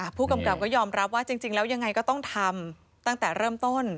ผู้กำกับก็ยอมรับว่าจริงแล้วยังไงก็ต้องทำตั้งแต่เริ่มต้น